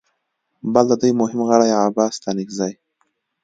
بل د دوی مهم غړي عباس ستانکزي